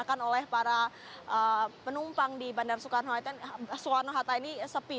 yang oleh para penumpang di bandara soekarno hatta ini sepi